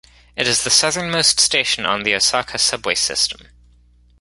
It is the southernmost station on the Osaka subway system.